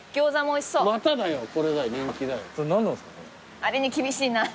あれに厳しいな。